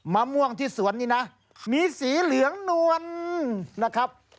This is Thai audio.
มะม่วงที่สวนนี้นะมีสีเหลืองนวลนะครับ